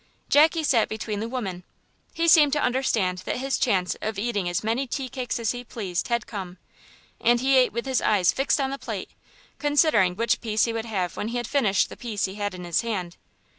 Jackie sat between the women. He seemed to understand that his chance of eating as many tea cakes as he pleased had come, and he ate with his eyes fixed on the plate, considering which piece he would have when he had finished the piece he had in his hand.